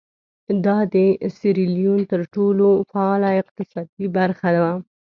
دا د سیریلیون تر ټولو فعاله اقتصادي برخه وه.